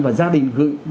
và gia đình gửi